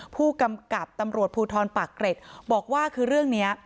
ผู้กำกับตำรวจภูทรปากเกร็ดบอกว่าคือเรื่องนี้